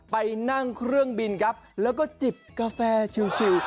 ไปนั่งเครื่องบินครับแล้วก็จิบกาแฟชิว